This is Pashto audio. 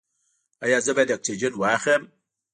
ایا زه باید اکسیجن واخلم؟